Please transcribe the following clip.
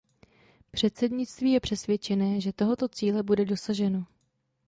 Předsednictví je přesvědčené, že tohoto cíle bude dosaženo.